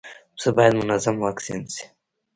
پسه باید منظم واکسین شي.